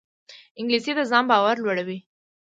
انګلیسي د ځان باور لوړوي